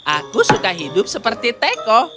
aku suka hidup seperti teko